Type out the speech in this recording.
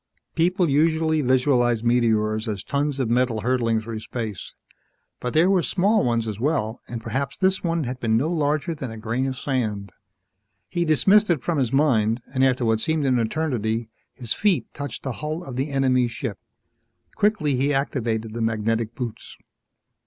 _ People usually visualized meteors as tons of metal hurtling through space. But there were small ones as well, and perhaps this one had been no larger than a grain of sand. He dismissed it from his mind, and after what seemed an eternity, his feet touched the hull of the enemy ship. Quickly he activated the magnetic boots.